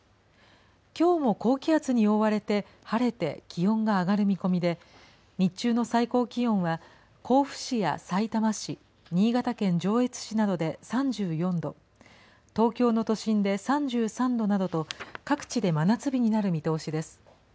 きょうも高気圧に覆われて、晴れて気温が上がる見込みで、日中の最高気温は甲府市やさいたま市、新潟県上越市などで３４度、東京の都心で３３度などと、各地で真夏日になる見通しです。